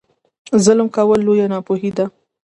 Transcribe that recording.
ظلم کول لویه ناپوهي ده.